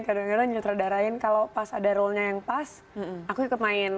kadang kadang nyutradarain kalau pas ada role nya yang pas aku ikut main